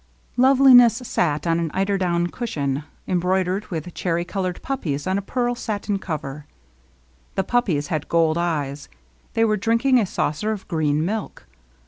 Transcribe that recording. Loveliness sat on an eider down cushion em broidered with cherry colored puppies on a pearl satin cover. The puppies had gold eyes. They were drinking a saucer of green milk.